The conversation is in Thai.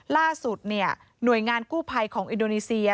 ล่าสุดหน่วยงานกู้ภัยของอินโดนีเซีย